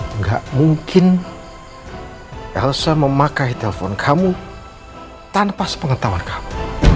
enggak mungkin elsa memakai telpon kamu tanpa sepengetahuan kamu